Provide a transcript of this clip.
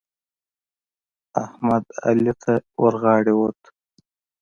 احمد؛ علي ته ورغاړه وت.